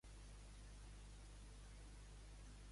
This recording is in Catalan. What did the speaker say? La base del sepulcre és preromànica i d'incipient romànic.